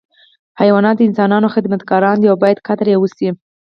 حیوانات د انسانانو خدمتګاران دي او باید قدر یې وشي.